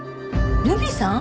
留美さん？